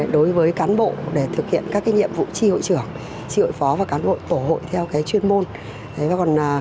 đối với cán bộ để thực hiện các nhiệm vụ tri hội trưởng tri hội phó và cán bộ tổ hội theo chuyên môn